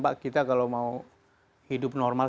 pak kita kalau mau hidup normal